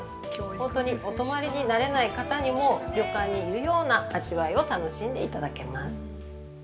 本当にお泊まりになれない方にも旅館にいるような味わいを楽しんでいただけます。